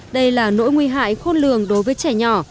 đây là nỗi nguy hại khôn lường đối với trẻ nhỏ